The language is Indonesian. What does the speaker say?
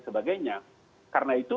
sebagainya karena itu